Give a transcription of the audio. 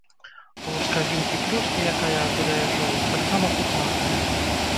Лускавінкі плюскі, якая атуляе жолуд, таксама пухнатыя.